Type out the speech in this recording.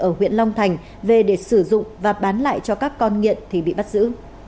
ở huyện long thành về để sử dụng và bán lại cho các con nghiện thì bị bắt giữ